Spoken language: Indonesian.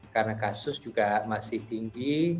karena kasus juga masih tinggi